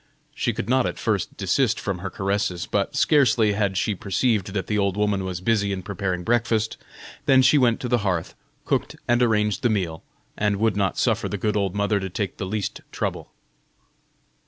She could not at first desist from her caresses, but scarcely had she perceived that the old woman was busy in preparing breakfast, than she went to the hearth, cooked and arranged the meal, and would not suffer the good old mother to take the least trouble.